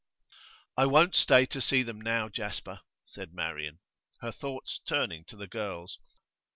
'I won't stay to see them now, Jasper,' said Marian, her thoughts turning to the girls.